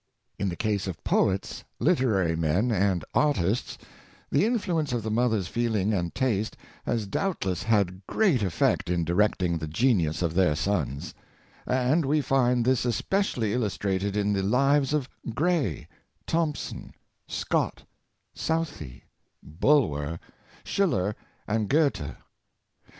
In the case of poets, literary men, and artists, the in fluence of the mother's feelino^ and taste has doubtless had great effect in directing the genius of their sons;: and we find this especially illustrated in the lives of Gray, Thomson, Scott, Southey, Bulwer, Schiller, and Mothers of Poets.